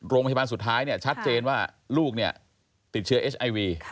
โรงพยาบาลสุดท้ายชัดเจนว่าลูกติดเชื้อฮไอวี